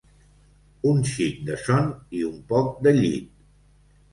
Un xic de son i un poc de llit.